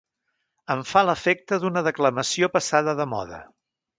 Em fa l'efecte d'una declamació passada de moda